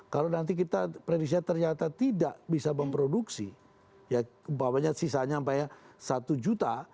kalau nanti kita prediksi ternyata tidak bisa memproduksi ya bahwa sisanya sampai satu juta